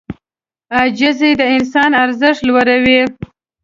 عاجزي د انسان ارزښت لوړوي.